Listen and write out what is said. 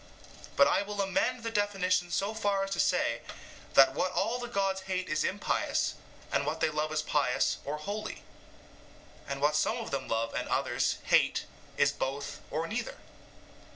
But I will amend the definition so far as to say that what all the gods hate is impious, and what they love pious or holy; and what some of them love and others hate is both or neither.